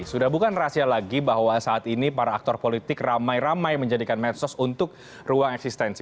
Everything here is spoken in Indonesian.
sudah bukan rahasia lagi bahwa saat ini para aktor politik ramai ramai menjadikan medsos untuk ruang eksistensi